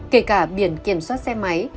kể cả biển kiểm soát xe máy